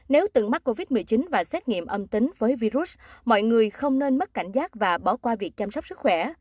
nếu từng mắc covid một mươi chín và xét nghiệm âm tính với virus mọi người không nên mất cảnh giác và bỏ qua việc chăm sóc sức khỏe